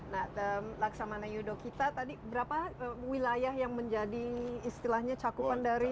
nah laksamana yudho kita tadi berapa wilayah yang menjadi istilahnya cakupan dari